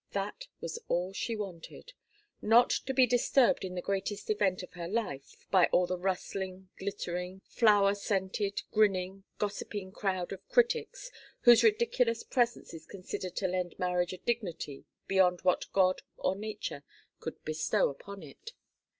That was all she wanted not to be disturbed in the greatest event of her life by all the rustling, glittering, flower scented, grinning, gossiping crowd of critics, whose ridiculous presence is considered to lend marriage a dignity beyond what God or nature could bestow upon it.